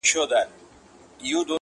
o د مطرب د زړه بړاس نغمه نغمه سي,